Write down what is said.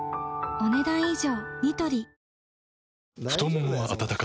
お、ねだん以上。